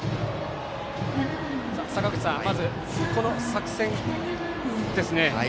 坂口さん、まずこの作戦ですが。